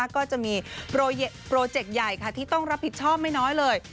ก็จะมีโปรเจกต์ใหญ่ที่ต้องรับผิดชอบไม่น้อยเลย